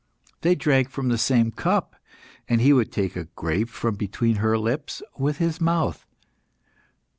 They drank from the same cup, and he would take a grape from between her lips with his mouth.